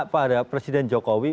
pada presiden jokowi